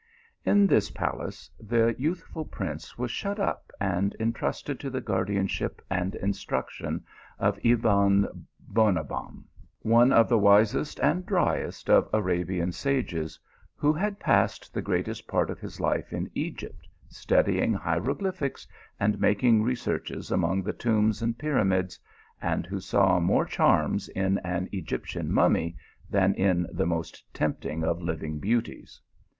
In this palace the youthful prince was shut up and en trusted to the guardianship and instruction of Ebon Bonabbon, one of the wisest and dryest of Arabian sages, who had passed the greatest part of his life in Egypt, studying hieroglyphics and making researches 190 THE ALIIAMBRA. among the tombs and pyramids, and who saw more charms in an Egyptian mummy than in the most tempting of living beauties.